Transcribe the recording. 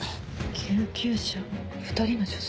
救急車２人の女性。